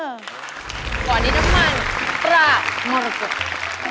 อันนี้น้ำมันตรามารกด